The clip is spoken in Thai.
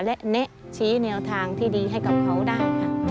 และแนะชี้แนวทางที่ดีให้กับเขาได้ค่ะ